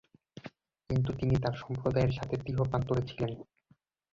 কিন্তু তিনি তাঁর সম্প্রদায়ের সাথে তীহ প্রান্তরে ছিলেন।